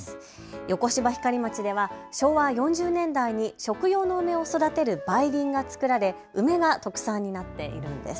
横芝光町では昭和４０年代に食用の梅を育てる梅林が作られ梅が特産になっているんです。